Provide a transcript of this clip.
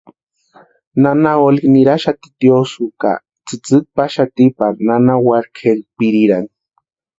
Nana Olga niraxati tiosïu ka tsïtsïki paxati pari nana wari kʼerini pirirani.